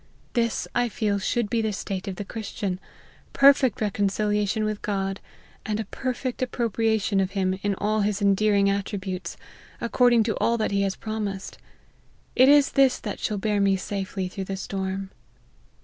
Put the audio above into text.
This I feel should be the state of the Christian : perfect reconciliation with God, and a perfect appropriation of him in all his endearing attributes, according to all that he has promised : it is this that shall bear me safely through the storm."